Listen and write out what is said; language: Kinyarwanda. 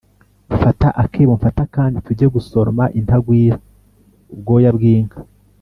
Fata akebo mfate akandi tujye gusoroma intagwira-Ubwoya bw'inka.